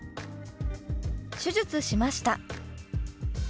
「手術しました」。